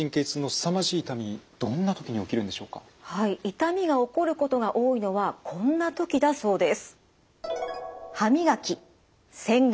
痛みが起こることが多いのはこんな時だそうです。